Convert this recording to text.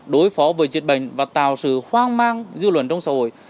đối phó với dịch bệnh và tạo sự hoang mang dư luận trong xã hội